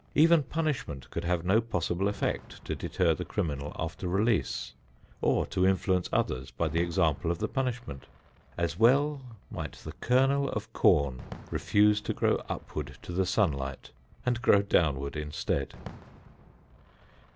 Even punishment could have no possible effect to deter the criminal after release, or to influence others by the example of the punishment. As well might the kernel of corn refuse to grow upward to the sunlight, and grow downward instead.